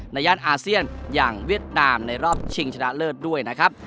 ย่านอาเซียนอย่างเวียดนามในรอบชิงชนะเลิศด้วยนะครับ